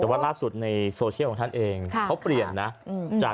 แต่ว่าล่าสุดในโซเชียลของท่านเองเขาเปลี่ยนนะจาก